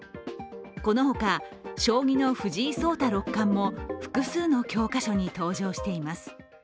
このほか、将棋の藤井聡太六冠も複数の教科書に登場しています。